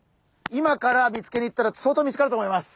今から見つけに行ったらそうとう見つかると思います。